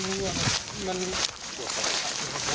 ต้องการตัวใครครับ